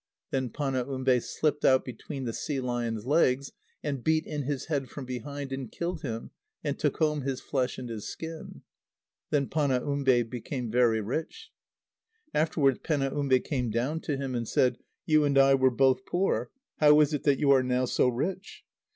Then Panaumbe slipped out between the sea lion's legs, and beat in his head from behind, and killed him, and took home his flesh and his skin. Then Panaumbe became very rich. Afterwards Penaumbe came down to him, and said: "You and I were both poor. How is it that you are now so rich?"